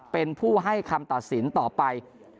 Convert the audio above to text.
เป็นผู้ให้คำตัดสินต่อไป